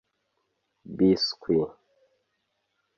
biswi